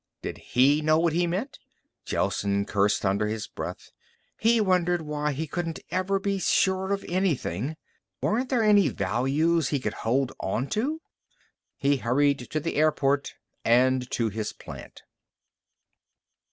Did he know what he meant? Gelsen cursed under his breath. He wondered why he couldn't ever be sure of anything. Weren't there any values he could hold on to? He hurried to the airport and to his plant.